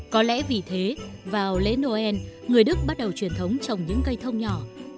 có lẽ vì thế vào lễ noel người đức bắt đầu truyền thống trồng những cây thông nhỏ